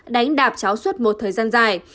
đánh đạp cháu suốt một thời gian dài